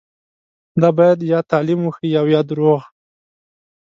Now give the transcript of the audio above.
دا باید یا تعلیم وښيي او یا درواغ.